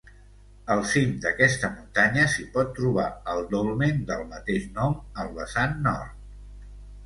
Al cim d'aquesta muntanya s'hi pot trobar el dolmen del mateix nom, al vessant nord.